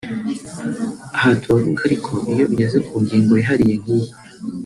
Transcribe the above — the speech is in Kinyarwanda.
Aha turavuga ariko iyo bigeze ku ngingo yihariye nk’iyi